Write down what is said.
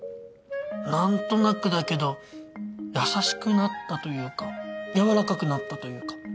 何となくだけど優しくなったというか柔らかくなったというか。